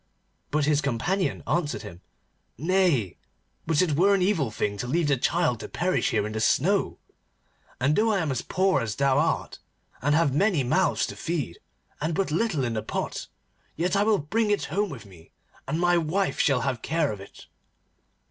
But his companion answered him: 'Nay, but it were an evil thing to leave the child to perish here in the snow, and though I am as poor as thou art, and have many mouths to feed, and but little in the pot, yet will I bring it home with me, and my wife shall have care of it.